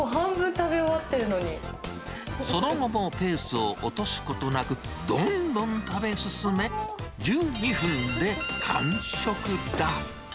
その後もペースを落とすことなく、どんどん食べ進め、１２分で完食だ。